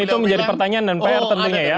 dan itu menjadi pertanyaan dan pr tentunya ya